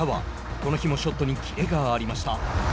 この日もショットにキレがありました。